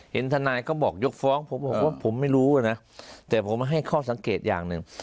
เห็นทนายก็บอกยกฟ้องผมบอกว่าผมไม่รู้นะแต่ผมให้ข้อสังเกตอย่างหนึ่ง